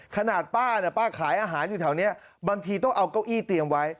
ขนาดป้าเนี่ยป้าขายอาหารอยู่แถวนี้บางทีต้องเอาเก้าอี้เตรียมไว้